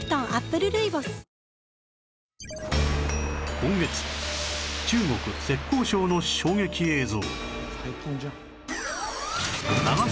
今月中国浙江省の衝撃映像